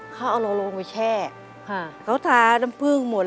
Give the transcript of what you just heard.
เขาเอาเราลงไปแช่เขาทาน้ำผึ้งหมด